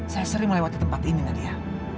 saya sering melewati tempat ini nadia